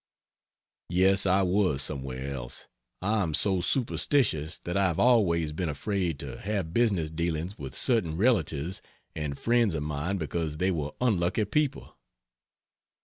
Yes, I was somewhere else. I am so superstitious that I have always been afraid to have business dealings with certain relatives and friends of mine because they were unlucky people.